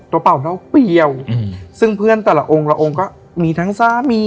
เป่าน้องเปรี้ยวซึ่งเพื่อนแต่ละองค์ละองค์ก็มีทั้งสามี